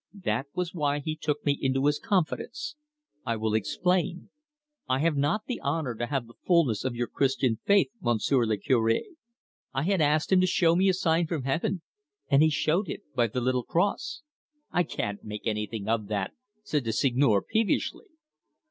"That was why he took me into his confidence. I will explain. I have not the honour to have the fulness of your Christian faith, Monsieur le Cure. I had asked him to show me a sign from heaven, and he showed it by the little iron cross." "I can't make anything of that," said the Seigneur peevishly.